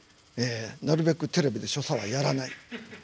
ええなるべくテレビで所作はやらない。